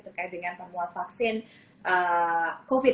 terkait dengan temuan vaksin covid sembilan belas yang ada untuk sekarang ini ya